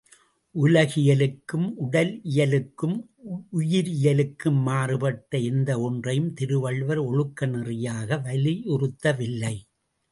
உலகியலுக்கும், உடலியலுக்கும், உயிரியலுக்கும், மாறுபட்ட எந்த ஒன்றையும் திருவள்ளுவர் ஒழுக்க நெறியாக வலியுறுத்தவில்லை.